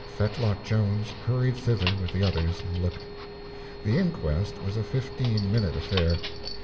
Fetlock Jones hurried thither with the others and looked. The inquest was a fifteen minute affair.